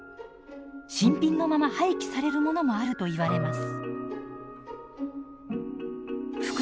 新品のまま廃棄されるものもあるといわれます。